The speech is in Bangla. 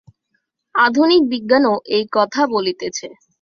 আধুনিক বিজ্ঞানও এই কথা বলিতেছে।